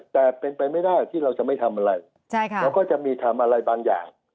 แต่เป็นไปไม่ได้ที่เราจะไม่ทำอะไรเราก็จะมีทำอะไรบางอย่าง